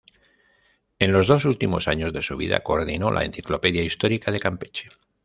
En los dos últimos años de su vida coordinó la "Enciclopedia histórica de Campeche".